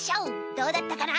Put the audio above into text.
どうだったかな？